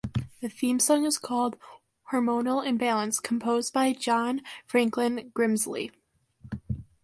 The theme song is called "Hormonal Imbalance" composed by John Franklin Grimsley.